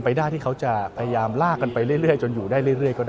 ฝ่ายค้านเราก็จะปฏิบัติหน้าที่ของเราให้ดีที่สุดนะครับ